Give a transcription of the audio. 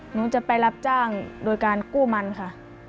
หนูจะไปรับจ้างโดยการกู้มันค่ะ